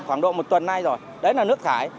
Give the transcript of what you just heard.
khoảng độ một tuần nay rồi đấy là nước thải